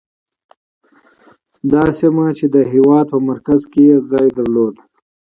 دا سیمه چې د هېواد په مرکز کې یې موقعیت درلود.